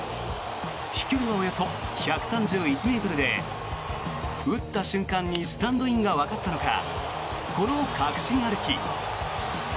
飛距離はおよそ１３１ｍで打った瞬間にスタンドインがわかったのかこの確信歩き。